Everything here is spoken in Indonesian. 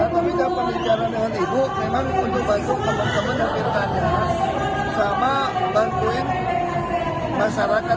saya sama ibu gak pernah ngomongin soal pilkada juga ngomongin soal teman teman